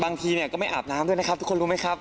บางทีเนี่ยก็ไม่อาบน้ำด้วยนะครับทุกคนรู้ไหมครับ